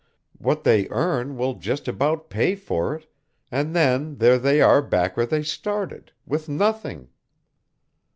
"What they earn will just about pay for it, and then there they are back where they started with nothing.